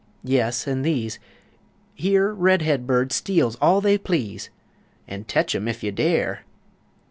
Yes, an' these Here red head birds steals all they please, An' tetch 'em ef you dare!